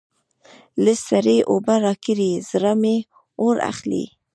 لږ سړې اوبه راکړئ؛ زړه مې اور اخلي.